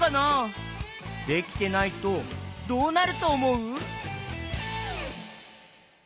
できてないとどうなるとおもう？